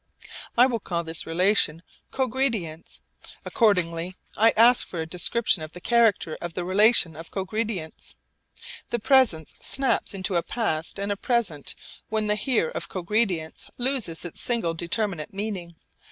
I will call this relation 'cogredience.' Accordingly I ask for a description of the character of the relation of cogredience. The present snaps into a past and a present when the 'here' of cogredience loses its single determinate meaning.